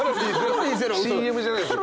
ＣＭじゃないんです。